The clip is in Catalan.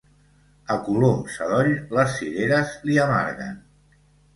A colom sadoll, les cireres li amarguen.